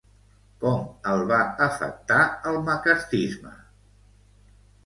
Com el va afectar el maccarthisme?